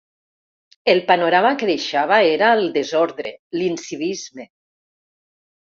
El panorama que deixava era el desordre, l’incivisme.